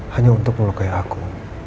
hanya untuk melukai aku